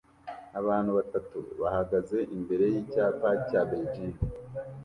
Abantu batatu bahagaze imbere yicyapa cya Beijing